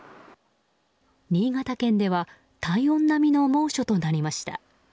新潟県では体温並みの猛暑となりました。